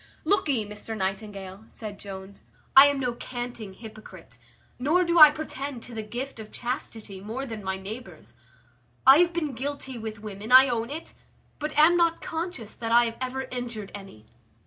"Lookee, Mr Nightingale," said Jones, "I am no canting hypocrite, nor do I pretend to the gift of chastity, more than my neighbours. I have been guilty with women, I own it; but am not conscious that I have ever injured any.